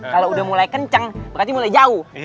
kalau udah mulai kenceng berarti mulai jauh